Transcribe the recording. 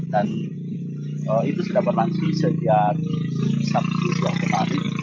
dan itu sudah berlangsung sejak sabtu kemarin